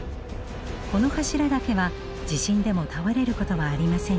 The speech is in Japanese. この柱だけは地震でも倒れることはありませんでした。